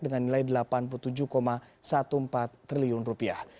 dengan nilai delapan puluh tujuh empat belas triliun rupiah